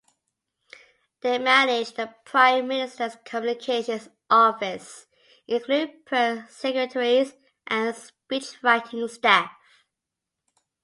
They manage the Prime Minister's communications office including Press Secretaries and Speechwriting staff.